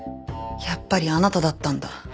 やっぱりあなただったんだ。